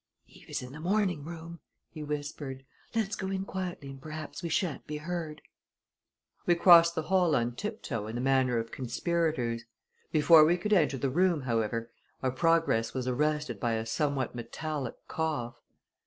"Eve is in the morning room," he whispered. "Let's go in quietly and perhaps we shan't be heard." We crossed the hall on tiptoe in the manner of conspirators. Before we could enter the room, however, our progress was arrested by a somewhat metallic cough.